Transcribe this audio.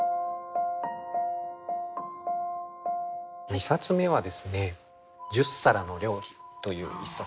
２冊目は「十皿の料理」という一冊です。